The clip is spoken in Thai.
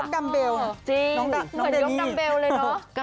เหมือนหลบดำเบลเลยเนอะ